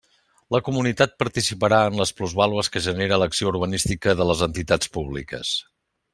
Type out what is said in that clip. La comunitat participarà en les plusvàlues que genere l'acció urbanística de les entitats públiques.